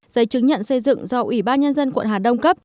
giấy chứng nhận xây dựng do ủy ban nhân dân quận hà đông cấp